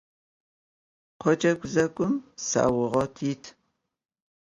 Khoce guzegum sauğet yit.